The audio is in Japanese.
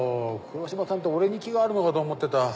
黒島さんって俺に気があるのかと思ってた。